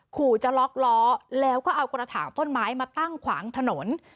ขู่จะล็อกล้อแล้วก็เอากระถางต้นไม้มาตั้งขวางถนน